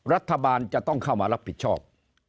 รัฐบาลจะต้องเข้ามารับผิดชอบ